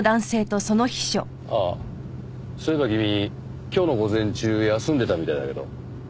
ああそういえば君今日の午前中休んでたみたいだけど。